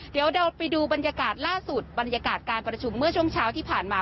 เดี๋ยวเราไปดูบรรยากาศล่าสุดบรรยากาศการประชุมเมื่อช่วงเช้าที่ผ่านมา